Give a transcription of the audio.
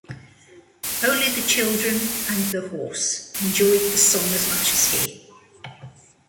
Only the children and the horse enjoyed the song as much as he.